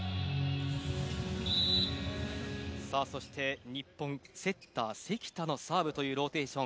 そして、日本セッター、関田のサーブというローテーション。